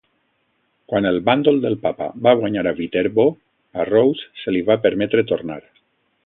Quan el bàndol del Papa va guanyar a Viterbo, a Rose se li va permetre tornar.